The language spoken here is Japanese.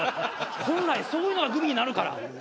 本来そういうのがグミになるから。